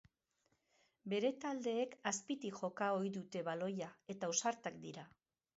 Bere taldeek azpitik joka ohi dute baloia eta ausartak dira.